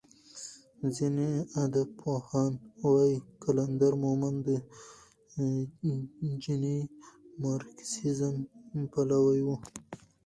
ځینې ادبپوهان وايي قلندر مومند د چیني مارکسیزم پلوی و.